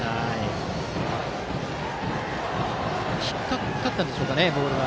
引っかかったんですかボールが。